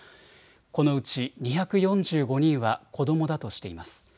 このうち２４５人は子どもだとしています。